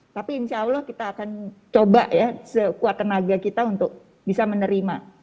tapi insya allah kita akan coba ya sekuat tenaga kita untuk bisa menerima